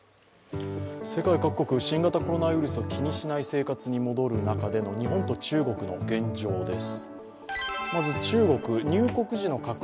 世界各国新型コロナウイルスを気にしない生活に戻る中での日本と中国の現状です。